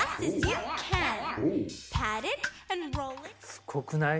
すごくない？